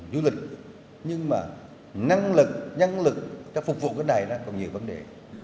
du lịch nhưng mà năng lực nhân lực cho phục vụ cái này còn nhiều vấn đề